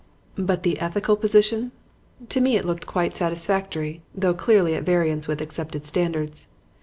"But the ethical position? To me it looked quite satisfactory, though clearly at variance with accepted standards.